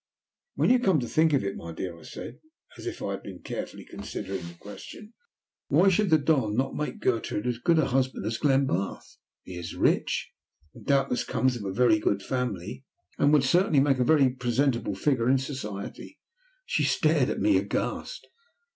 "When you come to think of it, my dear," I said, as if I had been carefully considering the question, "why should the Don not make Gertrude as good a husband as Glenbarth? He is rich, doubtless comes of a very good family, and would certainly make a very presentable figure in society." She stared at me aghast.